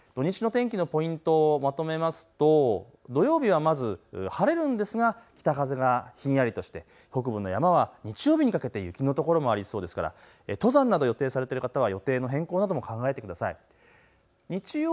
土日の天気のポイントをまとめますと土曜日はまず晴れるんですが北風がひんやりとして北部の山は日曜日にかけて雪の所もありそうですから登山など予定されている方は予定の変更なども考えてください。